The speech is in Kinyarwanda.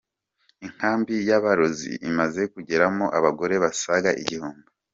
Inkambi y’abarozi imaze kugeramo abagore basaga Igihumbi